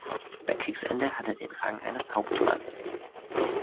Bei Kriegsende hatte er den Rang eines Hauptmanns.